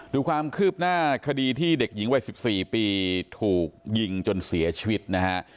ดูความคืบหน้าคดีที่เด็กหญิงวัย๑๔ปีถูกยิงจนเสียชีวิตนะฮะ